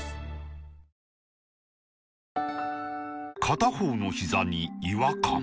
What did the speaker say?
片方のひざに違和感